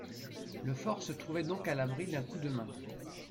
Le fort se trouvait donc à l’abri d’un coup de main.